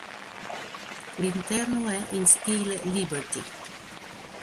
L'interno è in stile liberty.